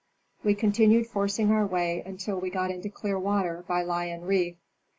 We continued forcing our way until we got into clear water by Lion reef.